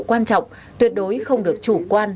quan trọng tuyệt đối không được chủ quan